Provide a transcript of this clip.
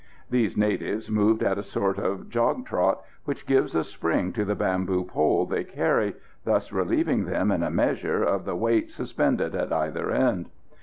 These natives moved at a sort of jog trot which gives a spring to the bamboo pole they carry, thus relieving them in a measure of the weight suspended at either end.